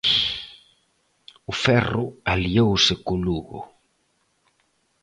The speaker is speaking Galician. O ferro aliouse co Lugo.